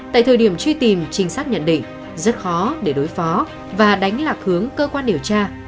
tại thời điểm truy tìm trinh sát nhận định rất khó để đối phó và đánh lạc hướng cơ quan điều tra